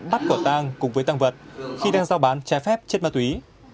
bắt quả tang cùng với tăng vật khi đang giao bán trái phép chất ma túy